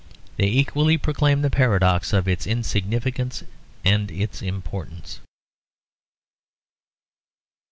They equally proclaim the paradox of its insignificance and its importance.